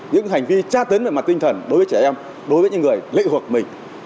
những hành vi tra tấn về mặt tinh thần đối với trẻ em đối với những người lệ hoặc mình